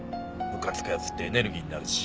むかつく奴ってエネルギーになるし。